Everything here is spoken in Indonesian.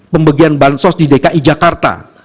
pembagian ban sos di dki jakarta